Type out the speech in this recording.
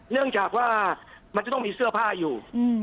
เนื่องจากว่ามันจะต้องมีเสื้อผ้าอยู่